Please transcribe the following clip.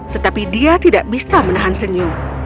tetapi dia tidak bisa menahan senyum